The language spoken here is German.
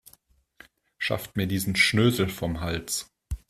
Schafft mir diesen Schnösel vom Hals.